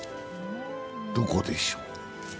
どこでしょう？